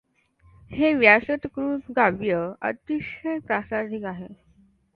हे व्यासकृत काव्य अतिशय प्रासादिक आहे.